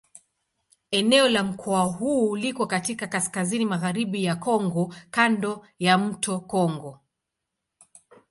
Eneo la mkoa huu liko katika kaskazini-magharibi ya Kongo kando ya mto Kongo.